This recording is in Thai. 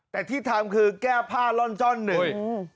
แต่ที่ทำคือแก้ผ้าล่อนจ้อนหนึ่ง